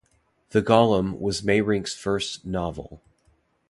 "The Golem" was Meyrink's first novel.